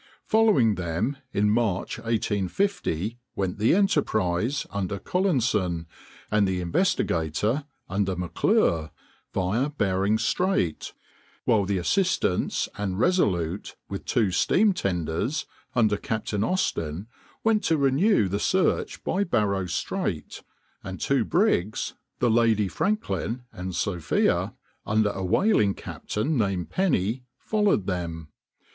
Following them, in March, 1850, went the Enterprise, under Collinson, and the Investigator, under M'Clure, via Bering Strait, while the Assistance and Resolute, with two steam tenders, under Captain Austin, went to renew the search by Barrow Strait, and two brigs, the Lady Franklin and Sophia, under a whaling captain named Penny, followed them.